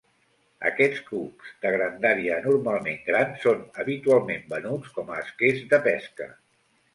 Aquests cucs de grandària anormalment gran són habitualment venuts com a esquers de pesca.